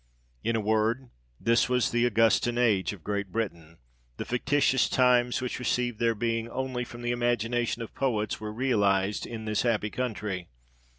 In a word, this was the Augustan age of Great Britain : the fictitious times which received their being only from the imagination of poets, were realized in this happy country.